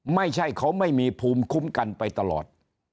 ไม่ใช่เขาไม่มีภูมิคุ้มกันไปตลอด